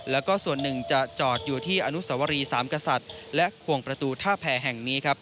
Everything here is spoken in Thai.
แล้วก็ส่วนหนึ่งจะจอดอยู่ที่อนุสวรีสามกษัตริย์และขวงประตูท่าแผ่แห่งนี้ครับ